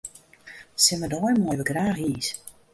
Simmerdei meie wy graach iis.